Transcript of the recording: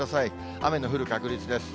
雨の降る確率です。